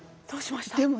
どうしました？